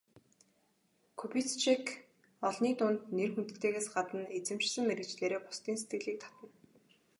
Кубицчек олны дунд нэр хүндтэйгээс гадна эзэмшсэн мэргэжлээрээ бусдын сэтгэлийг татна.